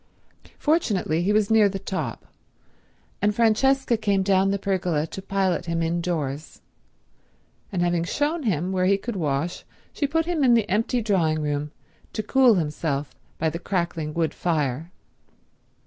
Fortunately he was near the top, and Francesca came down the pergola to pilot him indoors, and having shown him where he could wash she put him in the empty drawing room to cool himself by the crackling wood fire.